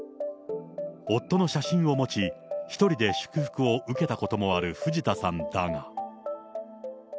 夫の写真を持ち、１人で祝福を受けたこともある藤田さんだが。